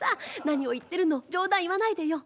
何を言ってるの冗談言わないでよ。